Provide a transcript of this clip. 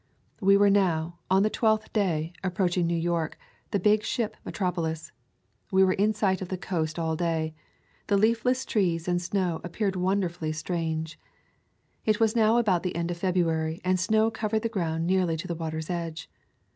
We were now, on the twelfth day, approach ing New York, the big ship metropolis. We were in sight of the coast all day. The leafless trees and the snow appeared wonderfully strange. It was now about the end of February and snow covered the ground nearly to the water's edge.